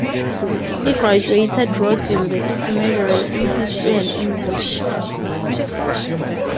He graduated Rhodes University majoring in History and English.